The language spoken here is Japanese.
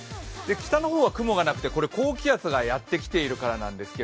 北の方は雲がなくて高気圧がやってきているからなんです。